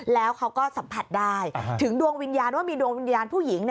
แล้วเขาก็สัมผัสได้ถึงดวงวิญญาณว่ามีดวงวิญญาณผู้หญิง